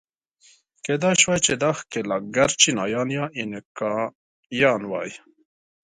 کېدای شوای چې دا ښکېلاکګر چینایان یا اینکایان وای.